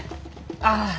ああ。